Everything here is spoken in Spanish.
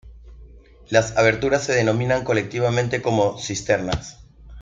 Las aberturas se denominan colectivamente como cisternas.